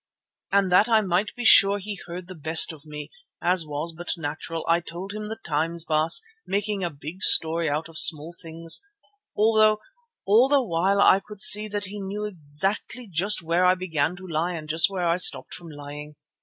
And that I might be sure he heard the best of me, as was but natural, I told him the times, Baas, making a big story out of small things, although all the while I could see that he knew exactly just where I began to lie and just where I stopped from lying.